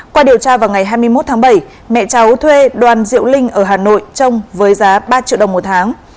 qua điều tra vào ngày hai mươi một tháng bảy mẹ cháu thuê đoàn diệu linh ở hà nội trồng với giá ba triệu đồng một tháng